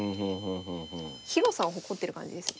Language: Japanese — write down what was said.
広さを誇ってる感じですね。